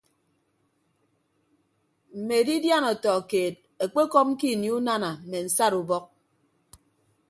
Mme edidiana ọtọ keed ekpekọm ke ini unana mme nsat ubọk.